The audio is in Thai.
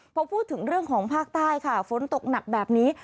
พอพูดถึงเรื่องของภาคใต้ค่ะฝนตกหนักแบบนี้